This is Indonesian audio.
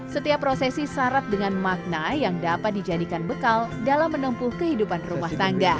setiap prosesi syarat dengan makna yang dapat dijadikan bekal dalam menempuh kehidupan rumah tangga